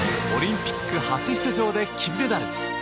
オリンピック初出場で金メダル。